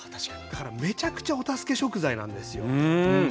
だからめちゃくちゃお助け食材なんですよ。